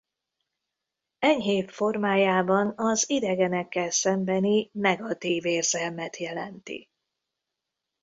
Enyhébb formájában az idegenekkel szembeni negatív érzelmet jelenti.